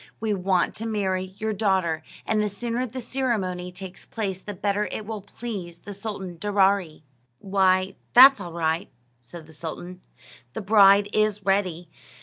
We want to marry your daughter, and the sooner the ceremony takes place, the better it will please the Sultan Daaraaee." "Why, that's all right," said the sultan; "the bride is ready.